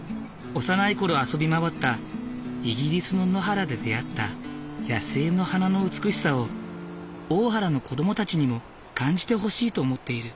幼い頃遊び回ったイギリスの野原で出会った野生の花の美しさを大原の子どもたちにも感じてほしいと思っている。